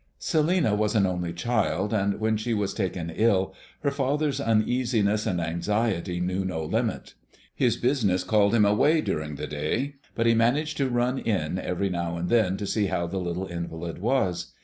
Celinina was an only child; and when she was taken ill, her father's uneasiness and anxiety knew no limit. His business called him away during the day, but he managed to run in every now and then to see how the little invalid was.